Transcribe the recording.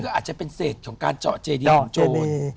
เจาะเจดีเพื่อจะเอาสมบัติที่อยู่ในเจดี